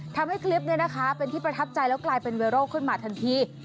ทำให้คลิปเป็นที่ประทับใจแล้วกลายเป็นเวโร่ขึ้นมาทันที